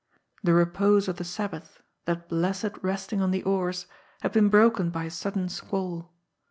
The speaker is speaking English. The repose of the Sabbath — that blessed resting on the oars — had been broken by a sudden squall.